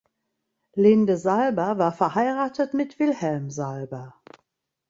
Linde Salber war verheiratet mit Wilhelm Salber.